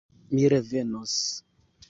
Mi revenos.